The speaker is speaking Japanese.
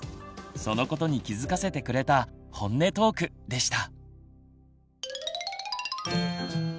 そのことに気付かせてくれたホンネトークでした！